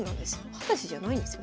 二十歳じゃないんですよ